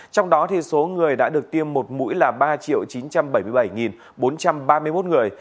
trong đó số người đã được tiêm một mũi là ba chín trăm bảy mươi bảy bốn trăm ba mươi một người